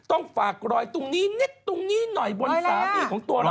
ต้องฝากรอยตรงนี้นิดตรงนี้หน่อยบนสามีของตัวเรา